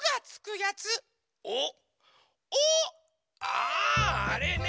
ああれね。